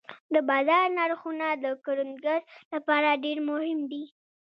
د بازار نرخونه د کروندګر لپاره ډېر مهم دي.